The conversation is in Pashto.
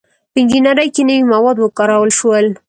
• په انجینرۍ کې نوي مواد وکارول شول.